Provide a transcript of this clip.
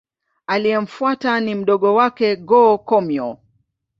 Aliyemfuata ni mdogo wake Go-Komyo.